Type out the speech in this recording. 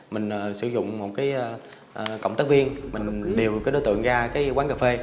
mình sử dụng một cái cộng tác viên mình điều cái đối tượng ra cái quán cà phê